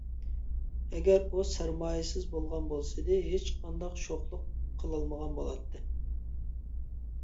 ئەگەر ئۇ سەرمايىسىز بولغان بولسىدى، ھېچقانداق شوخلۇق قىلالمىغان بولاتتى.